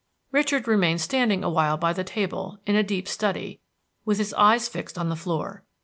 Richard remained standing awhile by the table, in a deep study, with his eyes fixed on the floor.